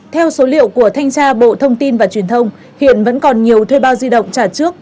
theo số liệu của thanh tra bộ thông tin và truyền thông hiện vẫn còn nhiều thuê bao di động trả trước